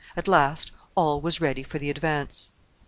At last all was ready for the advance.